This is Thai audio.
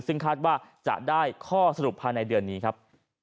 ซึ่งคาดว่าจะได้ข้อสรุปภายในเดือนนี้ครับ